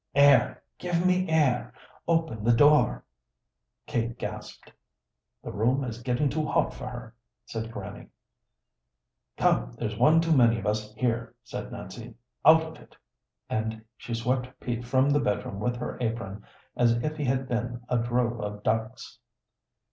"Air! Give me air! open the door!" Kate gasped. "The room is getting too hot for her," said Grannie. "Come, there's one too many of us here," said Nancy. "Out of it," and she swept Pete from the bedroom with her apron as if he had been a drove of ducks.